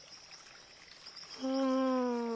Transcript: うん。